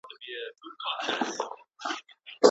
دندو ته پاملرنه مسؤلیت پذیری زیاتوي.